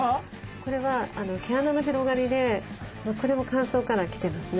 これは毛穴の広がりでこれも乾燥から来てますね。